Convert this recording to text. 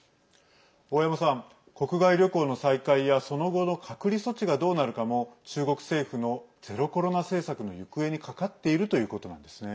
大山さん、国外旅行の再開やその後の隔離措置がどうなるかも中国政府のゼロコロナ政策の行方にかかっているということなんですね。